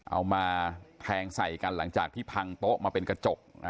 เอามาแทงใส่กันหลังจากที่พังโต๊ะมาเป็นกระจก